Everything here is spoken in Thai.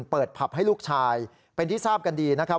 ผับให้ลูกชายเป็นที่ทราบกันดีนะครับ